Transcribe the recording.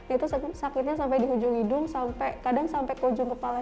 itu sakitnya sampai di ujung hidung sampai kadang sampai ke ujung kepala